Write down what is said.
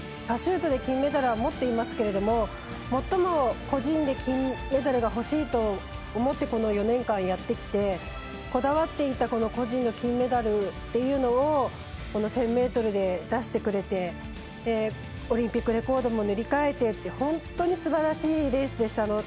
パシュートで金メダルは持っていますけれどももっとも個人で金メダルが欲しいと思ってこの４年間やってきてこだわっていた個人の金メダルっていうのを１０００ｍで出してくれてオリンピックレコードも塗り替えてって本当にすばらしいレースでした。